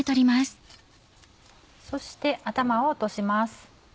そして頭を落とします。